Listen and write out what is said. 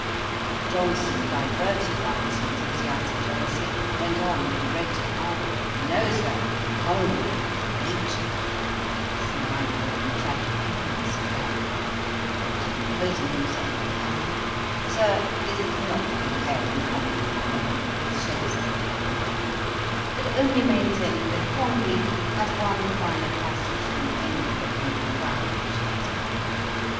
Johnson, diverted by this enthusiastick jealousy, went on with greater ardour: 'No, Sir; Congreve has nature;' (smiling on the tragick eagerness of Garrick;) but composing himself, he added, 'Sir, this is not comparing Congreve on the whole, with Shakspeare on the whole; but only maintaining that Congreve has one finer passage than any that can be found in Shakspeare.